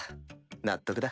納得だ。